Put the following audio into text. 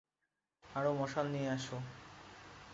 আরোও মশাল নিয়ে আসো!